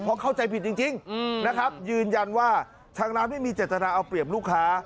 เพราะเข้าใจผิดจริงนะครับยืนยันว่าทางร้านไม่มีเจตนาเอาเปรียบลูกค้า